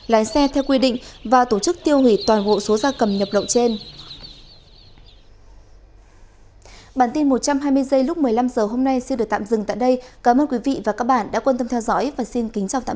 lái xe theo quy định và tổ chức tiêu hủy toàn bộ số gia cầm nhập lậu trên